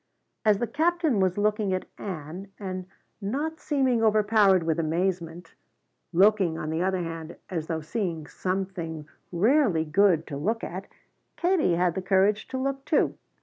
As the Captain was looking at Ann and not seeming overpowered with amazement, looking, on the other hand, as though seeing something rarely good to look at, Katie had the courage to look too.